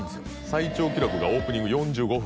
最長記録がオープニング４５分